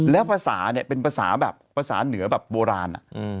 แล้วภาษาเป็นภาษาเหนือโบราณ